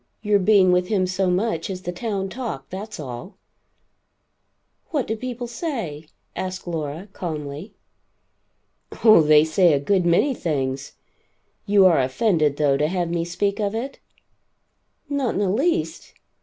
Your being with him so much is the town talk, that's all?" "What do people say?" asked Laura calmly. "Oh, they say a good many things. You are offended, though, to have me speak of it?" "Not in the least.